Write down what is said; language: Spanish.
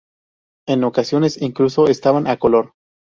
En ocasiones, incluso estaban a color.